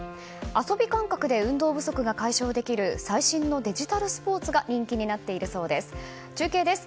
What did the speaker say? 遊び感覚で運動不足が解消できる最新のデジタルスポーツが人気になっているそうです。